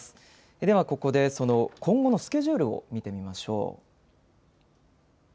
では、ここでその今後のスケジュールを見てみましょう。